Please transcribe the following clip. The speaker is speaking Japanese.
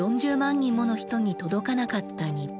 人もの人に届かなかった日本。